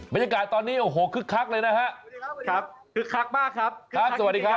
บรรยากาศตอนนี้โอ้โหคึกคักเลยนะฮะครับคึกคักมากครับครับสวัสดีครับ